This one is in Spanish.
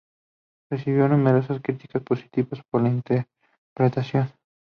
Recibió numerosas críticas positivas por la interpretación.